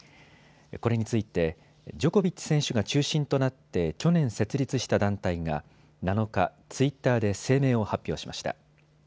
これについてジョコビッチ選手が中心となって去年、設立した団体が７日、ツイッターで声明を発表しました。